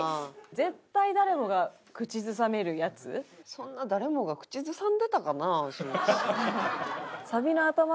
そんな誰もが口ずさんでたかな？